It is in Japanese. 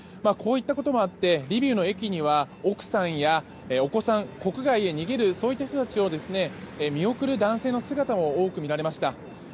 こういったこともあってリビウの駅には奥さんやお子さん、国外へ逃げるそういった人たちを見送る男性の姿も多く見られました。